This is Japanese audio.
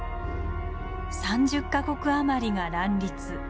３０か国余りが乱立。